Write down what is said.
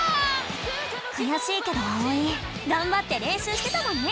くやしいけどあおいがんばってれんしゅうしてたもんね！